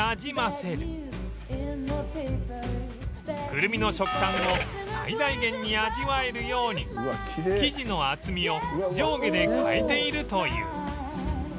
クルミの食感を最大限に味わえるように生地の厚みを上下で変えているという